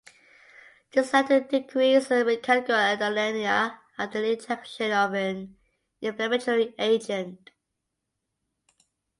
This led to decreased mechanical allodynia after injection of an inflammatory agent.